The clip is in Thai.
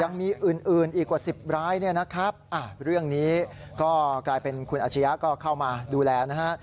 ยังมีอื่นอีกกว่า๑๐รายเนี่ยนะครับเรื่องนี้ก็กลายเป็นคุณอาชียะก็เข้ามาดูแลนะฮะ